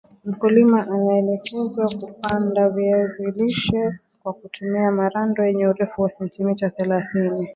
Mkulima anaelekezwa kupanda viazi lishe kwa kutumia Marando yenye urefu wa sentimita thelathini